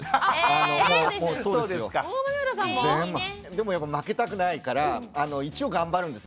でもやっぱ負けたくないから一応頑張るんです。